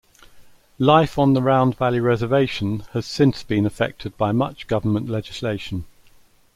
Life on the Round Valley Reservation has since been affected by much government legislation.